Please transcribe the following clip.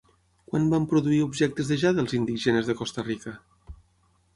Quan van produir objectes de jade els indígenes de Costa Rica?